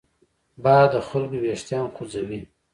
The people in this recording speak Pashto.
باد د خلکو وېښتان خوځوي